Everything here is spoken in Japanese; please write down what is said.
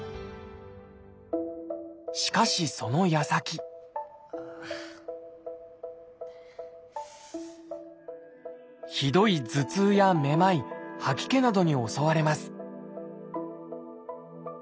しかしそのやさきひどい頭痛やめまい吐き気などに襲われます